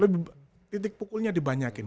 lebih titik pukulnya dibanyakin